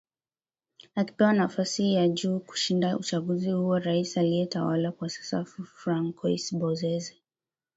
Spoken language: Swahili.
akipewa nafasi ya juu kushinda uchaguzi huo rais anayetawala kwa sasa francois bozeze